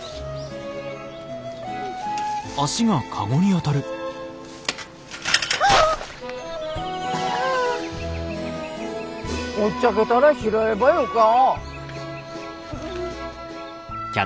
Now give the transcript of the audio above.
落っちゃけたら拾えばよか。